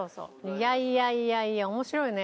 いやいやいやいや面白いね。